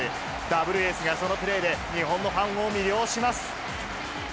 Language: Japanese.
ダブルエースがそのプレーで日本のファンを魅了します。